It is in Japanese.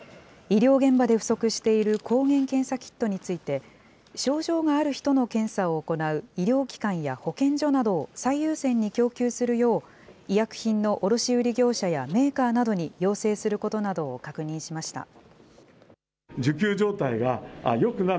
医療現場で不足している抗原検査キットについて、症状がある人の検査を行う医療機関や、保健所などを最優先に供給するよう、医薬品の卸売り業者や、メーカーなどに要請することなどを確認しました。